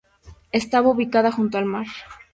Está ubicada junto al mar.